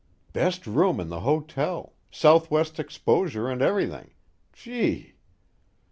_Best room in the hotel, southwest exposure 'n' everything gee!